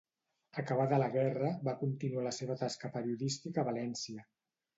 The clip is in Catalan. Acabada la guerra, va continuar la seva tasca periodística a València.